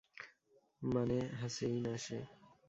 মানে, হাসেই না সে।